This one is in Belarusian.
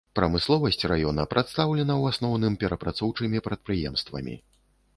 Прамысловасць раёна прадстаўлена ў асноўным перапрацоўчымі прадпрыемствамі.